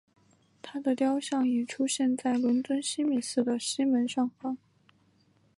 她的雕像也出现在伦敦西敏寺的西门上方。